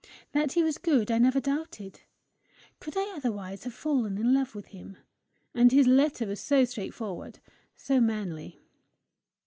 That he was good, I never doubted: could I otherwise have fallen in love with him? And his letter was so straightforward so manly!